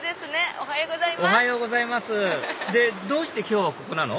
おはようございますどうして今日はここなの？